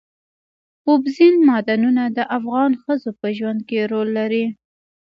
اوبزین معدنونه د افغان ښځو په ژوند کې رول لري.